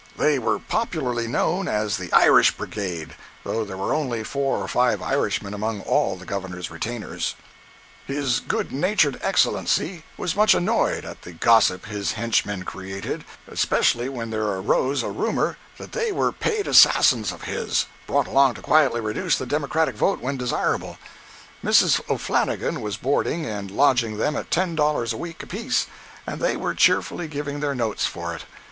They were popularly known as the "Irish Brigade," though there were only four or five Irishmen among all the Governor's retainers. 163.jpg (95K) His good natured Excellency was much annoyed at the gossip his henchmen created—especially when there arose a rumor that they were paid assassins of his, brought along to quietly reduce the democratic vote when desirable! Mrs. O'Flannigan was boarding and lodging them at ten dollars a week apiece, and they were cheerfully giving their notes for it.